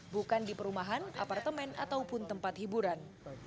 bukan di perumahan apartemen ataupun tempat hiburan